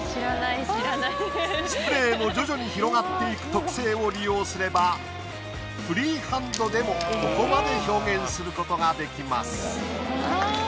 スプレーの徐々に広がっていく特性を利用すればフリーハンドでもここまで表現することができます。